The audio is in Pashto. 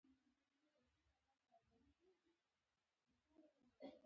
نه هیڅکله باید کیمیاوي موادو ته په لوڅ لاس لاس ورنکړو.